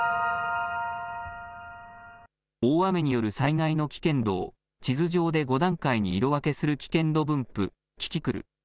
大雨による災害の危険度を地図上で５段階に色分けする危険度分布・キキクル。